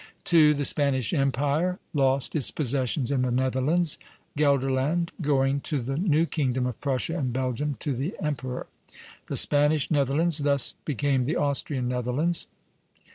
2. The Spanish empire lost its possessions in the Netherlands, Gelderland going to the new kingdom of Prussia and Belgium to the emperor; the Spanish Netherlands thus became the Austrian Netherlands.